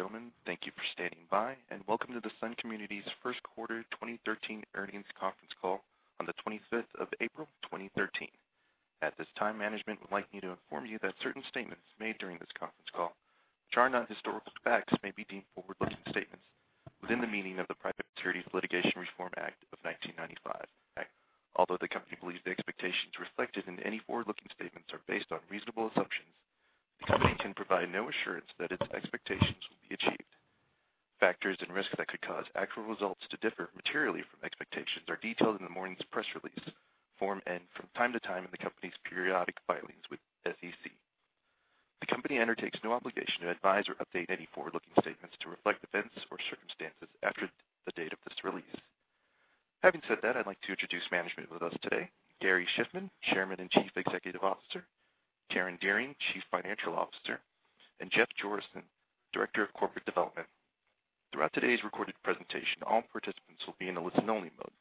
Gentlemen, thank you for standing by, and welcome to the Sun Communities First Quarter 2013 Earnings Conference Call on the 25th of April, 2013. At this time, management would like me to inform you that certain statements made during this conference call, which are not historical facts may be deemed forward-looking statements within the meaning of the Private Securities Litigation Reform Act of 1995. Although the company believes the expectations reflected in any forward-looking statements are based on reasonable assumptions, the company can provide no assurance that its expectations will be achieved. Factors and risks that could cause actual results to differ materially from expectations are detailed in the morning's press release, Form from time to time in the company's periodic filings with SEC. The company undertakes no obligation to advise or update any forward-looking statements to reflect events or circumstances after the date of this release. Having said that, I'd like to introduce management with us today, Gary Shiffman, Chairman and Chief Executive Officer, Karen Dearing, Chief Financial Officer, and Jeff Jorissen, Director of Corporate Development. Throughout today's recorded presentation, all participants will be in a listen-only mode.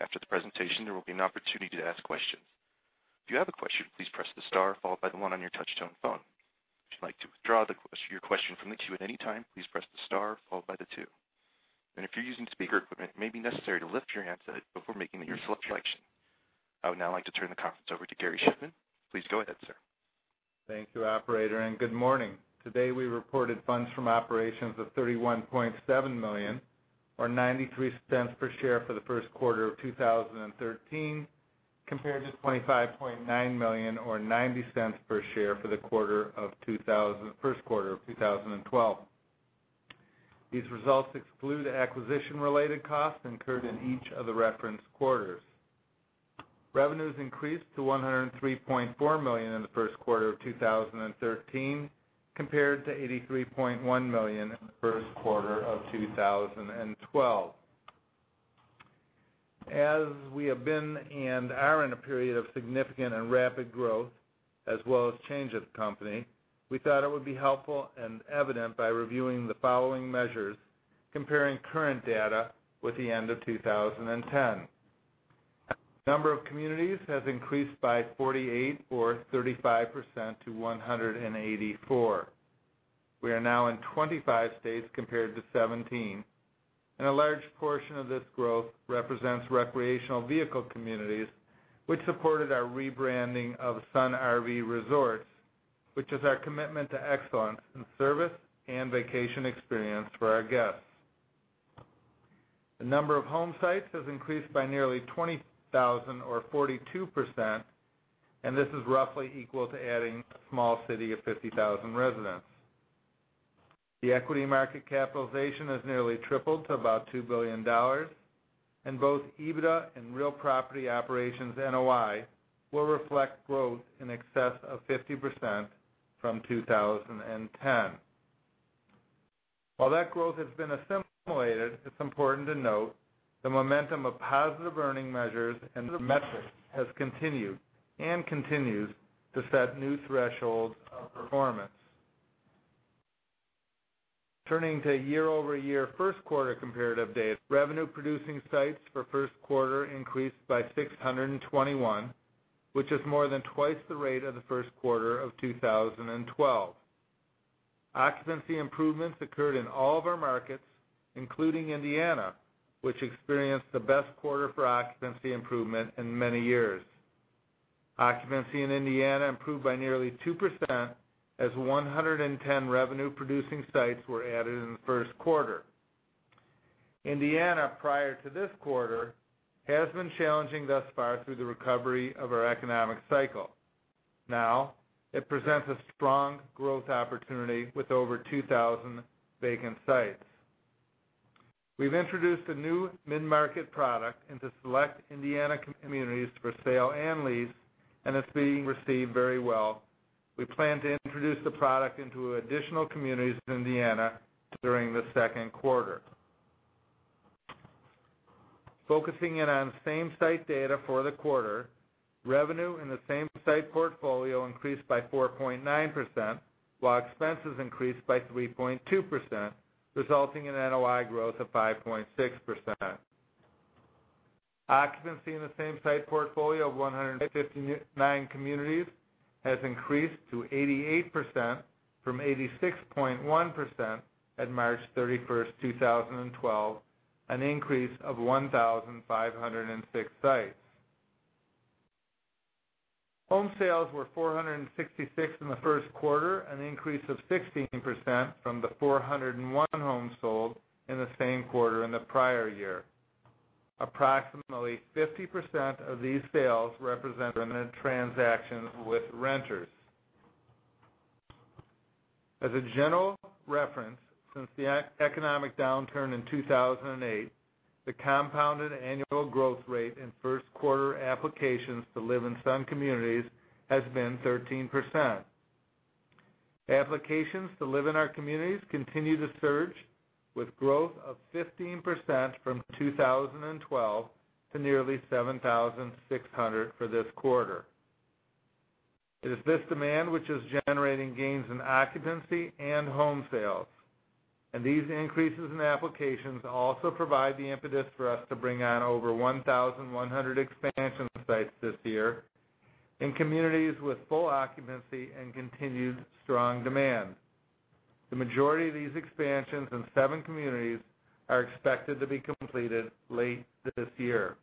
After the presentation, there will be an opportunity to ask questions. If you have a question, please press star followed by the one on your touchtone phone. If you'd like to withdraw your question from the queue at any time, please press the star followed by the two. If you're using speaker equipment, it may be necessary to lift your handset before making your selection. I would now like to turn the conference over to Gary Shiffman. Please go ahead, sir. Thank you, operator, and good morning. Today we reported funds from operations of $31.7 million or $0.93 per share for the first quarter of 2013, compared to $25.9 million or $0.90 per share for the first quarter of 2012. These results exclude acquisition-related costs incurred in each of the referenced quarters. Revenues increased to $103.4 million in the first quarter of 2013, compared to $83.1 million in the first quarter of 2012. As we have been and are in a period of significant and rapid growth, as well as change of the company, we thought it would be helpful and evident by reviewing the following measures, comparing current data with the end of 2010. Number of communities has increased by 48% or 35% to 184. We are now in 25 states compared to 17, and a large portion of this growth represents recreational vehicle communities, which supported our rebranding of Sun RV Resorts, which is our commitment to excellence in service and vacation experience for our guests. The number of home sites has increased by nearly 20,000 or 42%, and this is roughly equal to adding a small city of 50,000 residents. The equity market capitalization has nearly tripled to about $2 billion, and both EBITDA and real property operations NOI will reflect growth in excess of 50% from 2010. While that growth has been assimilated, it's important to note, the momentum of positive earnings measures and the metrics has continued, and continues to set new thresholds of performance. Turning to year-over-year first quarter comparative data, revenue-producing sites for first quarter increased by 621, which is more than twice the rate of the first quarter of 2012. Occupancy improvements occurred in all of our markets, including Indiana, which experienced the best quarter for occupancy improvement in many years. Occupancy in Indiana improved by nearly 2%, as 110 revenue-producing sites were added in the first quarter. Indiana, prior to this quarter, has been challenging thus far through the recovery of our economic cycle. Now, it presents a strong growth opportunity with over 2,000 vacant sites. We've introduced a new mid-market product into select Indiana communities for sale and lease, and it's being received very well. We plan to introduce the product into additional communities in Indiana during the second quarter. Focusing in on same-site data for the quarter, revenue in the same-site portfolio increased by 4.9%, while expenses increased by 3.2%, resulting in NOI growth of 5.6%. Occupancy in the same-site portfolio of 159 communities has increased to 88% from 86.1% at March 31st, 2012, an increase of 1,506 sites. Home sales were 466 in the first quarter, an increase of 16% from the 401 homes sold in the same quarter in the prior year. Approximately 50% of these sales represent a transaction with renters. As a general reference, since the economic downturn in 2008, the compounded annual growth rate in first-quarter applications to live in Sun Communities has been 13%. Applications to live in our communities continue to surge, with growth of 15% from 2012 to nearly 7,600 for this quarter. It is this demand which is generating gains in occupancy and home sales, and these increases in applications also provide the impetus for us to bring on over 1,100 expansion sites this year, in communities with full occupancy and continued strong demand. The majority of these expansions in seven communities are expected to be completed late this year.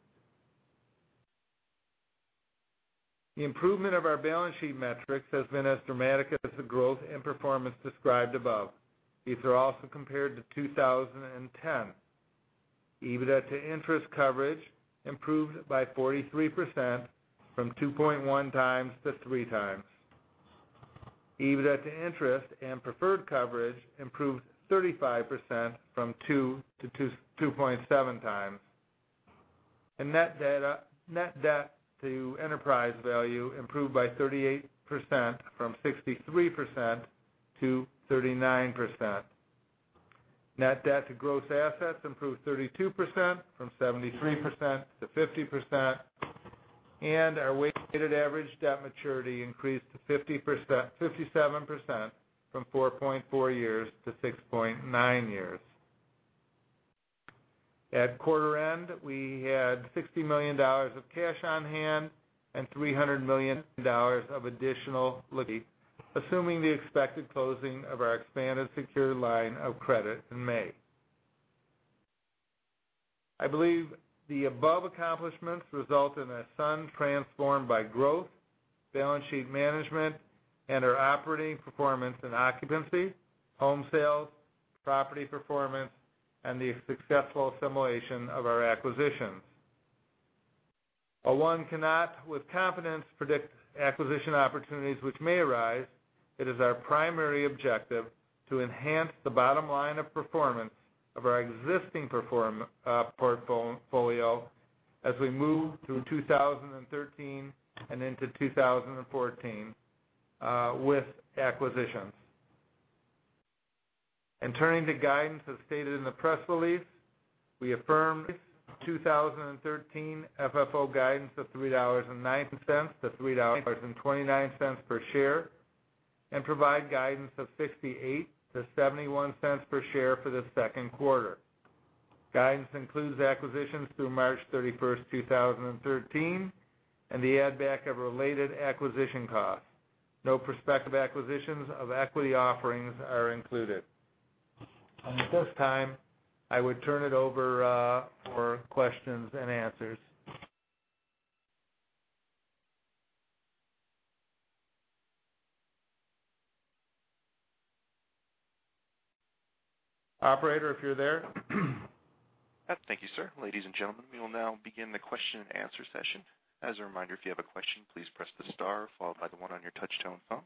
The improvement of our balance sheet metrics has been as dramatic as the growth and performance described above. These are also compared to 2010. EBITDA to interest coverage improved by 43% from 2.1x-3x. EBITDA to interest and preferred coverage improved 35% from 2x-2.7x. Net debt to enterprise value improved by 38% from 63% to 39%. Net debt to gross assets improved 32% from 73% to 50%, and our weighted average debt maturity increased to 57% from 4.4 years to 6.9 years. At quarter end, we had $60 million of cash on hand and $300 million of additional liquidity, assuming the expected closing of our expanded secured line of credit in May. I believe the above accomplishments result in a Sun transformed by growth, balance sheet management, and our operating performance and occupancy, home sales, property performance, and the successful assimilation of our acquisitions. While one cannot, with confidence, predict acquisition opportunities which may arise, it is our primary objective to enhance the bottom line of performance of our existing portfolio, as we move through 2013 and into 2014 with acquisitions. Turning to guidance as stated in the press release, we affirm 2013 FFO guidance of $3.09-$3.29 per share, and provide guidance of $0.58-$0.71 per share for the second quarter. Guidance includes acquisitions through March 31st, 2013, and the add-back of related acquisition costs. No prospective acquisitions of equity offerings are included. At this time, I would turn it over for questions and answers. Operator, if you're there? Thank you, sir. Ladies and gentlemen, we will now begin the question-and-answer session. As a reminder, if you have a question, please press the star followed by the one on your touchtone phone.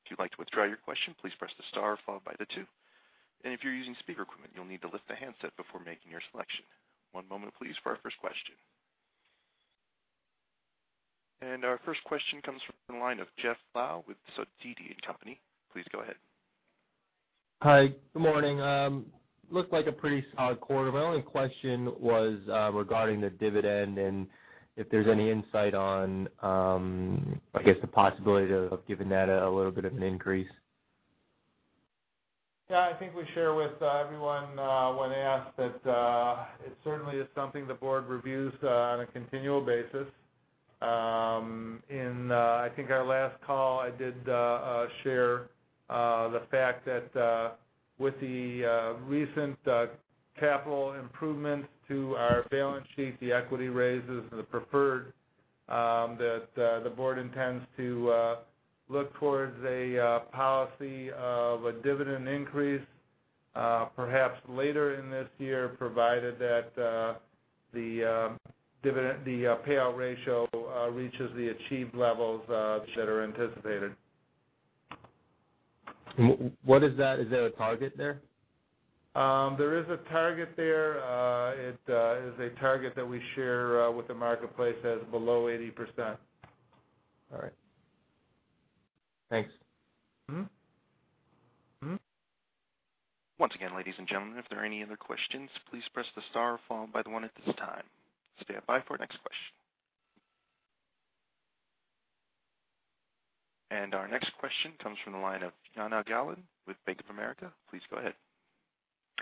If you'd like to withdraw your question, please press the star followed by the two. If you're using speaker equipment, you'll need to lift the handset before making your selection. One moment, please for our first question. Our first question comes rom the line of [Jeff Lau with Citi]. Please go ahead. Hi, good morning. Looked like a pretty solid quarter. My only question was regarding the dividend, and if there's any insight on I guess the possibility of giving that a little bit of an increase. Yeah, I think we share with everyone when asked, that it certainly is something the board reviews on a continual basis. In, I think our last call, I did share the fact that with the recent capital improvements to our balance sheet, the equity raises and the preferred, that the board intends to look towards a policy of a dividend increase perhaps later in this year, provided that the payout ratio reaches the achieved levels that are anticipated. What is that? Is there a target there? There is a target there. It is a target that we share with the marketplaces below 80%. All right. Thanks. Once again, ladies and gentlemen, if there are any other questions, please press the star followed by the one at this time. Stand by for our next question. Our next question comes from the line of Jana Galan with Bank of America. Please go ahead.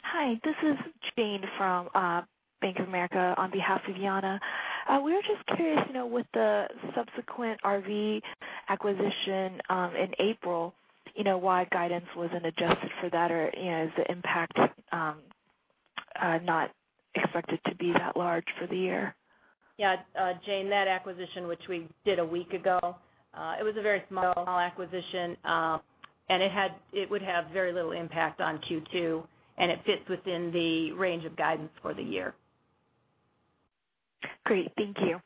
Hi, this is Jane from Bank of America on behalf of Jana. We were just curious, you know, with the subsequent RV acquisition in April, you know, why guidance wasn't adjusted for that, or you know, is the impact not expected to be that large for the year? Yeah. Jane, that acquisition which we did a week ago, it was a very small acquisition, and it would have very little impact on Q2 and it fits within the range of guidance for the year. Great. Thank you.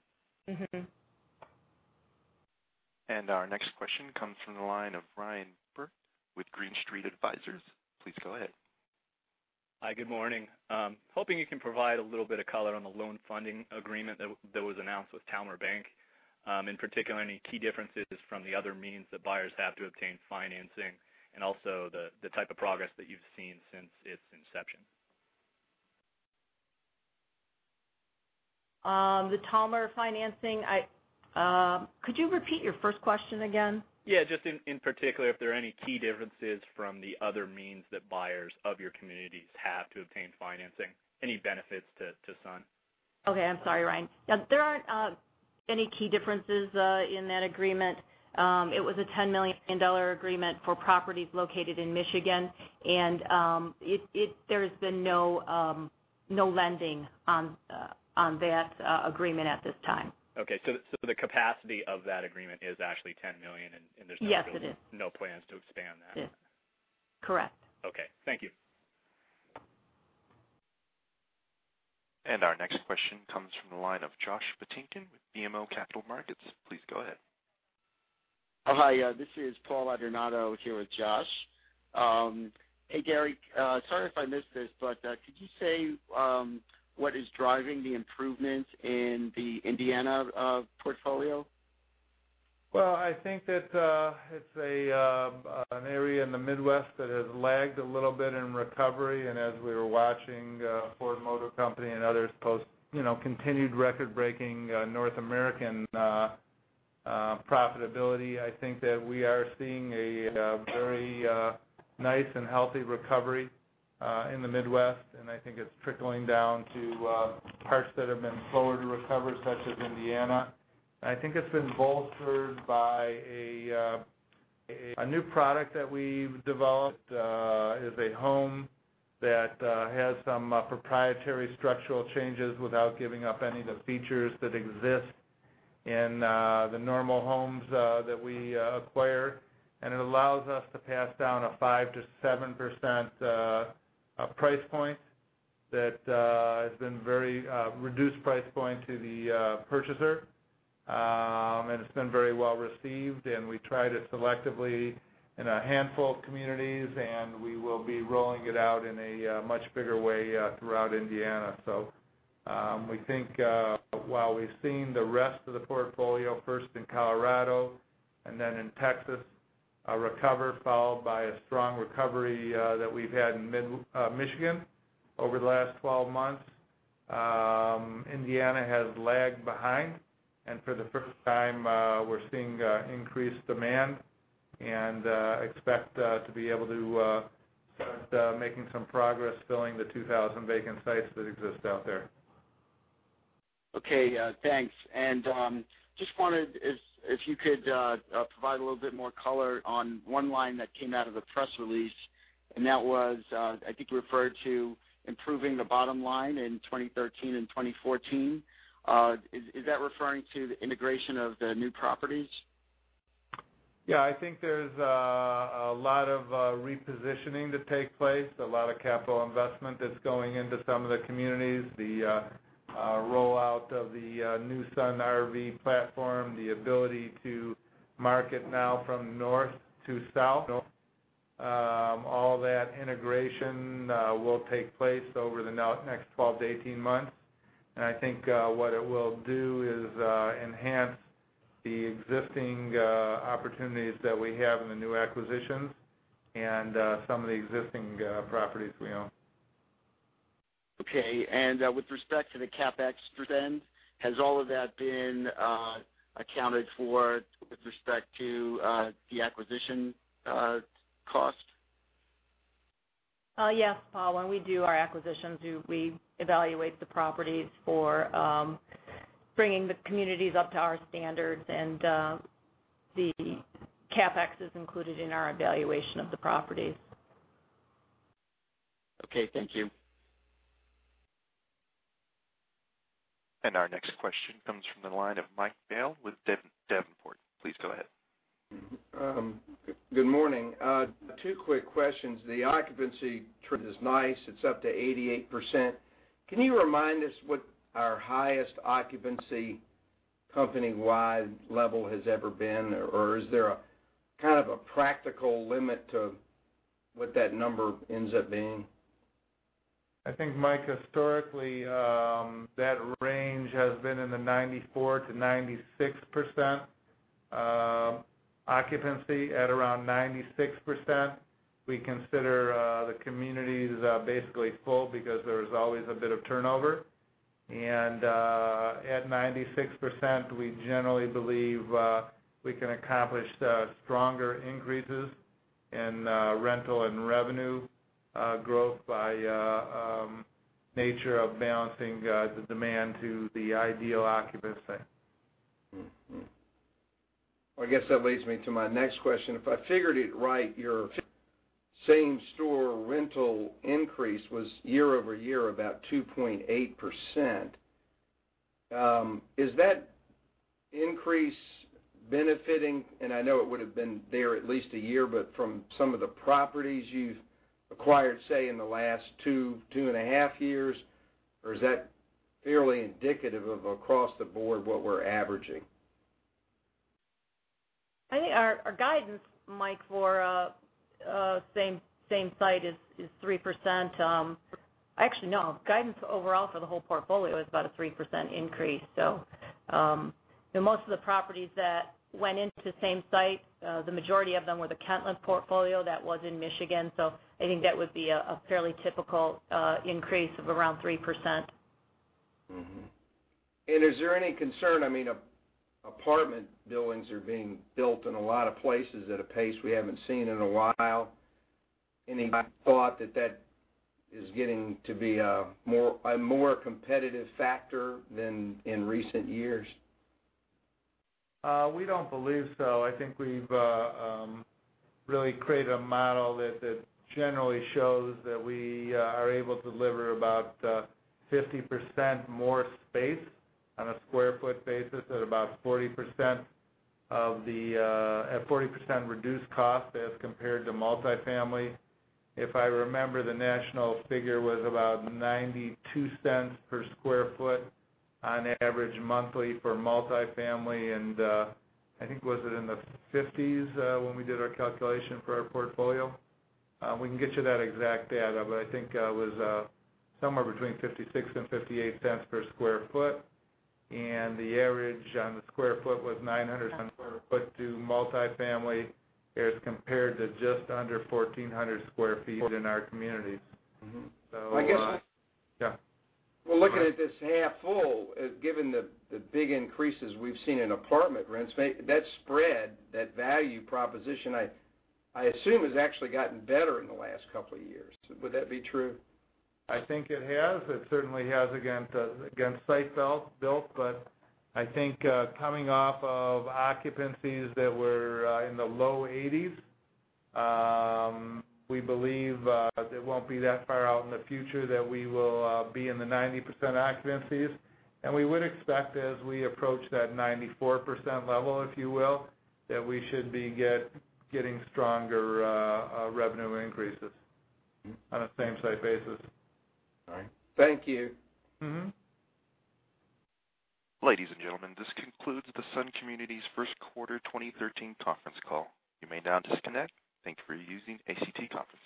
Our next question comes from the line of Ryan Burke with Green Street Advisors. Please go ahead. Hi, good morning. Hoping you can provide a little bit of color on the loan funding agreement that was announced with Talmer Bank. In particular, any key differences from the other means that buyers have to obtain financing, and also the type of progress that you've seen since its inception. The Talmer financing, could you repeat your first question again? Yeah, just in particular, if there are any key differences from the other means that buyers of your communities have to obtain financing, any benefits to Sun? Okay. I'm sorry, Ryan. There aren't any key differences in that agreement. It was a $10 million agreement for properties located in Michigan, and there's been no lending on that agreement at this time. Okay. The capacity of that agreement is actually $10 million. Yes, it is. There's no plans to expand that? Yes, correct. Okay, thank you. Our next question comes from the line of Josh Patinkin with BMO Capital Markets. Please go ahead. Oh, hi. This is Paul Adornato here with Josh. Hey, Gary, sorry if I missed this, but could you say what is driving the improvements in the Indiana portfolio? I think that it's an area in the Midwest that has lagged a little bit in recovery, and as we were watching Ford Motor Company and others post, you know, continued record-breaking North American profitability, I think that we are seeing a very nice and healthy recovery in the Midwest. I think it's trickling down to parts that have been slower to recover, such as Indiana. I think it's been bolstered by a new product that we've developed, is a home that has some proprietary structural changes without giving up any of the features that exist in the normal homes that we acquire. It allows us to pass down a 5%-7% price point that has been very reduced price point to the purchaser. It's been very well received, and we tried it selectively in a handful of communities and we will be rolling it out in a much bigger way throughout Indiana. We think while we've seen the rest of the portfolio, first in Colorado and then in Texas, a recovery followed by a strong recovery that we've had in mid-Michigan over the last 12 months, Indiana has lagged behind. For the first time, we're seeing increased demand, and expect to be able to start making some progress filling the 2,000 vacant sites that exist out there. Okay, thanks. If you could provide a little bit more color on one line that came out of the press release, and that was, I think you referred to improving the bottom line in 2013 and 2014. Is that referring to the integration of the new properties? Yeah, I think there's a lot of repositioning to take place, a lot of capital investment that's going into some of the communities, the rollout of the new Sun RV platform, the ability to market now from north to south, all that integration will take place over the next 12-18 months. I think what it will do is enhance the existing opportunities that we have in the new acquisitions, and some of the existing properties we own. Okay. With respect to the CapEx then, has all of that been accounted for with respect to the acquisition cost? Yes, Paul. When we do our acquisitions, we evaluate the properties for bringing the communities up to our standards and the CapEx is included in our evaluation of the properties. Okay, thank you. Our next question comes from the line of Mike Dale with Davenport. Please go ahead. Good morning. Two quick questions. The occupancy trend is nice. It's up to 88%. Can you remind us what our highest occupancy company-wide level has ever been, or is there a practical limit to what that number ends up being? I think, Mike historically, that range has been in the 94%-96% occupancy. At around 96%, we consider the communities basically full because there is always a bit of turnover. At 96%, we generally believe we can accomplish stronger increases in rental, and revenue growth by nature of balancing the demand to the ideal occupancy. I guess that leads me to my next question. If I figured it right, your same-store rental increase was year-over-year about 2.8%. Is that increase benefiting, and I know it would have been there at least a year, but from some of the properties you've acquired say in the last two, two and a half years, or is that fairly indicative of across the board, what we're averaging? I think our guidance, Mike for same-site is 3%. Actually, no, guidance overall for the whole portfolio is about a 3% increase. Most of the properties that went into same-site, the majority of them were the Kentland Portfolio that was in Michigan. I think that would be a fairly typical increase of around 3%. Is there any concern, I mean, apartment buildings are being built in a lot of places at a pace we haven't seen in a while, any thought that that is getting to be a more competitive factor than in recent years? We don't believe so. I think we've really created a model that generally shows that we are able to deliver about 50% more space on a sq ft basis at 40% reduced cost as compared to multifamily. If I remember, the national figure was about $0.92 per sq ft on average monthly for multifamily, and I think was it in the 50s when we did our calculation for our portfolio? We can get you that exact data, but I think it was somewhere between $0.56-$0.58 per sq ft. The average on the sq ft was 900 sq ft to multifamily, as compared to just under 1,400 sq ft in our communities. Yeah. Looking at this half full, given the big increases we've seen in apartment rents, that spread, that value proposition I assume has actually gotten better in the last couple of years. Would that be true? I think it has. It certainly has against site-built. I think coming off of occupancies that were in the low 80s, we believe it won't be that far out in the future that we will be in the 90% occupancies. We would expect as we approach that 94% level, if you will, that we should be getting stronger revenue increases on a same-site basis, all right. Thank you. Ladies and gentlemen, this concludes the Sun Communities' First Quarter 2013 Conference Call. You may now disconnect. Thank you for using ACT Conferencing.